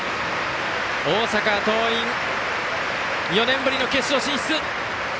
大阪桐蔭、４年ぶりの決勝進出！